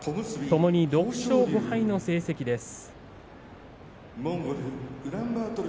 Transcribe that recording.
ともに６勝５敗の成績です。